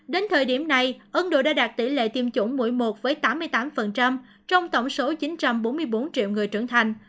đến thời điểm này ấn độ đã đạt tỷ lệ tiêm chủng mũi một với tám mươi tám trong tổng số chín trăm bốn mươi bốn triệu người trưởng thành